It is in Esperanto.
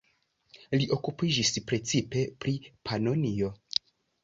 Li okupiĝis precipe pri Panonio.